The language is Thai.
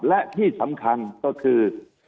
และที่สำคัญก็คือ